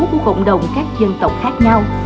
của cộng đồng các dân tộc khác nhau